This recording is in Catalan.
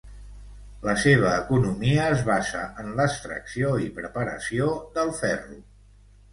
La seva economia es basa en l'extracció i preparació del ferro.